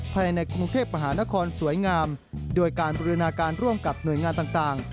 ภายในกรุงเทพมหานครสวยงามโดยการบรินาการร่วมกับหน่วยงานต่าง